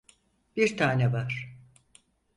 Bir tane var.